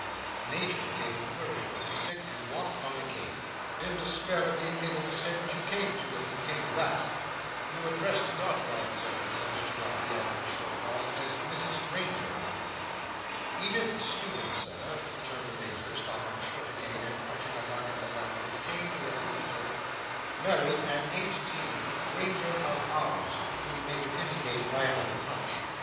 The Major gave a flourish with his stick and walked on again, in despair of being able to say what you came to, if you came to that. "You addressed the daughter, I observed," said Mr Dombey, after a short pause, "as Mrs Granger." "Edith Skewton, Sir," returned the Major, stopping short again, and punching a mark in the ground with his cane, to represent her, "married (at eighteen) Granger of Ours;" whom the Major indicated by another punch.